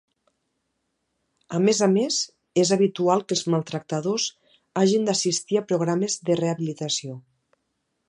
A més a més és habitual que els maltractadors hagin d'assistir a programes de rehabilitació.